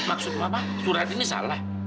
maksud mama surat ini salah